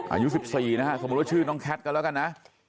อายุ๑๔นะฮะสมมุติว่าชื่อน้องแคทกันแล้วกันนะ